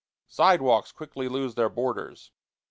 Sidewalks quickly lose their borders.